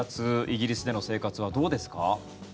イギリスでの生活はどうですか？